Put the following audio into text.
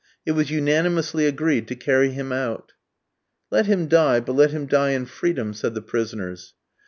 It was unanimously agreed to carry him out. "Let him die, but let him die in freedom," said the prisoners.